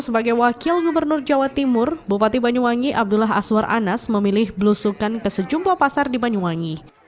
sebagai wakil gubernur jawa timur bupati banyuwangi abdullah aswar anas memilih belusukan ke sejumlah pasar di banyuwangi